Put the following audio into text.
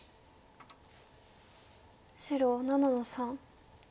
白７の三。